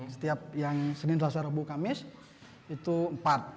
setiap yang senin selasa rabu kamis itu empat